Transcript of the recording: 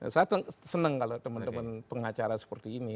saya senang kalau teman teman pengacara seperti ini